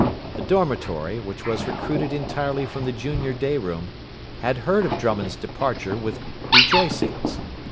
The dormitory, which was recruited entirely from the junior day room, had heard of Drummond's departure with rejoicings.